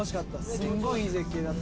すごいいい絶景だった。